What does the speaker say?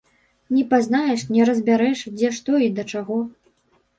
Не пазнаеш, не разбярэш, дзе што і да чаго.